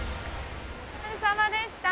お疲れさまでした。